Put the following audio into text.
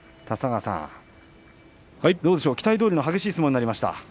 立田川さん、どうでしょう期待どおりの激しい相撲になりました。